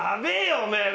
おめえら。